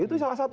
itu salah satu